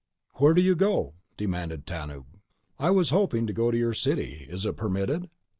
"Where do you go?" demanded Tanub. "I was hoping to go to your city. Is it permitted?"